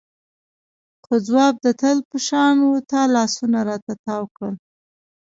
خو ځواب د تل په شان و تا لاسونه رانه تاو کړل.